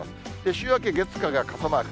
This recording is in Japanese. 週明け月、火が傘マーク。